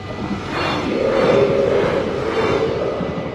Ayɣer ay tebɣiḍ ad tedduḍ ass-a?